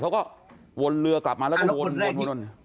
เขาก็วนเรือกลับมาแล้ววนวนวนวน